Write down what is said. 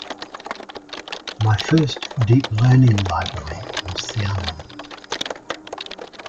My first Deep Learning library was Theano.